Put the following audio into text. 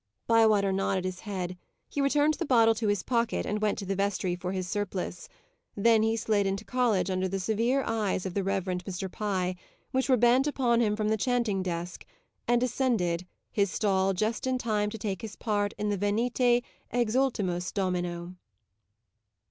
Bywater nodded his head. He returned the bottle to his pocket, and went to the vestry for his surplice. Then he slid into college under the severe eyes of the Reverend Mr. Pye, which were bent upon him from the chanting desk, and ascended, his stall just in time to take his part in the Venite, exultemus Domino.